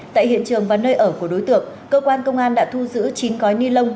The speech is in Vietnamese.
tại hiện trường và nơi ở của đối tượng cơ quan công an đã thu giữ chín gói ni lông